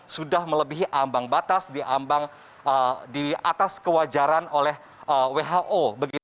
sudah melebihi ambang batas di atas kewajaran oleh who